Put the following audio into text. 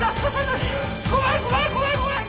怖い怖い怖い怖い！